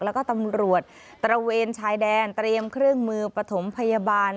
แล้วก็ตำรวจตระเวนชายแดนเตรียมเครื่องมือปฐมพยาบาล